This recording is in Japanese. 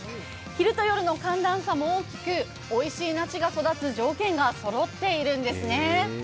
昼と夜の寒暖差も大きく、おいしい梨が育つ条件がそろっているんですね。